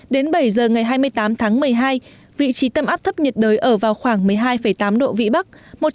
đến bảy giờ ngày hai mươi tám tháng một mươi hai vị trí tâm áp thấp nhiệt đới ở vào khoảng một mươi hai tám độ vĩ bắc